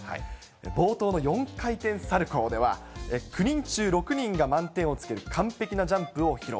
冒頭の４回転サルコーでは、９人中６人が満点をつける完璧なジャンプを披露。